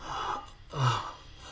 ああ。